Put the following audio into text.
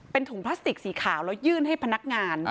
เป็นถุงพลาสติกสีขาวแล้วยื่นให้พนักงาน